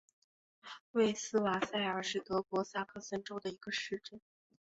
魏斯瓦塞尔是德国萨克森州的一个市镇。